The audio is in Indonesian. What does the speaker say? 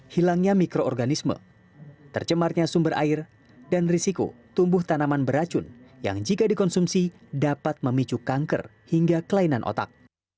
hilangnya mikroorganisme tercemarnya sumber air dan risiko tumbuh tanaman beracun yang jika dikonsumsi dapat memicu kanker hingga kelainan otak